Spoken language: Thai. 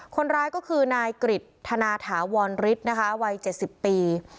คนร้ายก็คือนายกฤทธนาถาวอนฤทธิ์นะคะวัยเจ็ดสิบปี